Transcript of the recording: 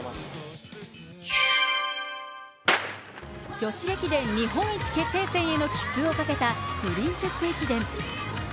女子駅伝日本一決定戦への切符をかけたプリンセス駅伝。